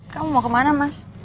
kamu mau kemana mas